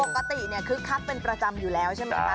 ปกติเนี่ยคึกคักเป็นประจำอยู่แล้วใช่มั้ยคะ